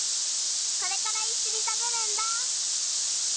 これからいっしょにたべるんだ」。